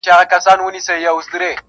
شیطانانو په تیارو کي شپې کرلي-